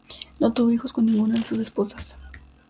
No tuvo hijos con ninguna de sus esposas.